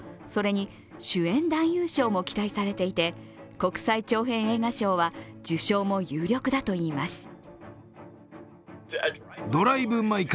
それに主演男優賞も期待されていて、国際長編映画賞は受賞も有力だといいます。